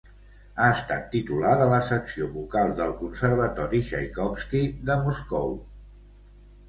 Ha estat titular de la Secció Vocal del Conservatori Txaikovski de Moscou.